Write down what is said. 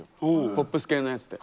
ポップス系のやつで。